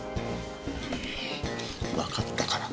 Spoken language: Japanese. わかったから。